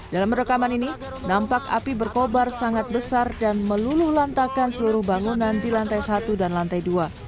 dalam rekaman ini nampak api berkobar sangat besar dan meluluh lantakan seluruh bangunan di lantai satu dan lantai dua